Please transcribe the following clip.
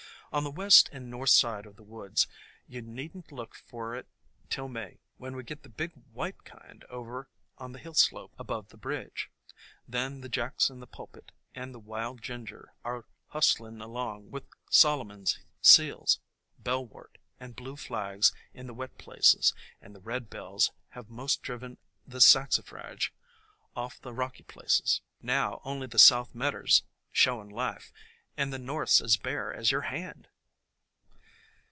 "On the west and north side of the woods you need n't look for it till May, when we get the big white kind over on the hill slope above the bridge. Then the Jacks in the Pulpit and the Wild Ginger are hustlin', along with Solomon's Seals, Bellwort, and Blue flags in the wet places, and the Red bells have most driven the Saxifrage off the rocky places. Now only the south medder 's showin' life and the north 's as bare as yer hand."